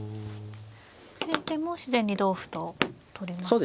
先手も自然に同歩と取りますね。